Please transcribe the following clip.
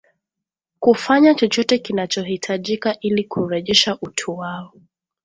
kufanya chochote kinachohitajika ili kurejesha utu wao